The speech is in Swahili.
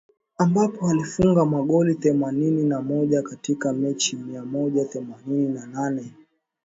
Ambapo alifunga magoli themanini na moja katika mechi mia moja themanini na nane